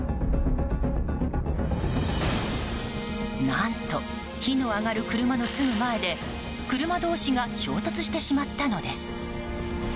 何と、火の上がる車のすぐ前で車同士が衝突してしまったのです。